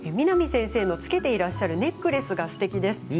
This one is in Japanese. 南先生の着けていらっしゃるネックレスがすてきです。